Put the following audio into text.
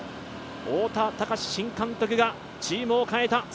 太田崇新監督がチームを変えた。